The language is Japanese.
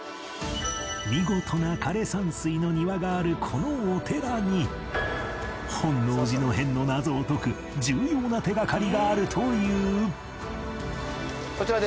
見事な枯山水の庭があるこのお寺に本能寺の変の謎を解く重要な手がかりがあるという